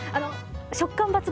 食感抜群！